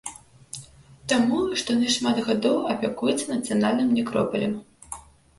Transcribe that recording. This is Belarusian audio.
Таму, што яны шмат гадоў апякуюцца нацыянальным некропалем.